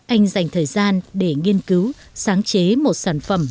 anh dành thời gian để nghiên cứu sáng chế một sản phẩm